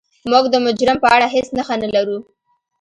موږ د مجرم په اړه هیڅ نښه نلرو.